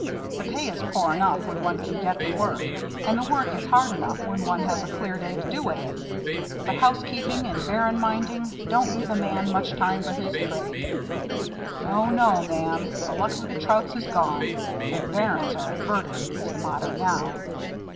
The pay is poor enough when one can get the work, and the work is hard enough when one has a clear day to do it in; but housekeeping and bairn minding don't leave a man much time for his trade. No! no! Ma'am, the luck of the Trouts is gone, and 'Bairns are a burden,' is the motto now.